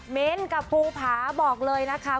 มิ้นกับภูผาบอกเลยนะคะ